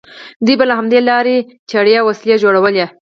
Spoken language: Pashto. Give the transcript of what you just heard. دوی به له همدې لارې چړې او وسلې جوړولې.